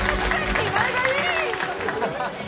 気前がいい！